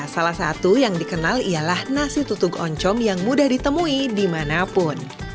salah satu yang dikenal ialah nasi tutuk oncom yang mudah ditemui dimanapun